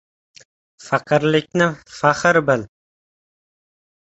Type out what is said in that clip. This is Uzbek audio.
— Faqirlikni faxr bil.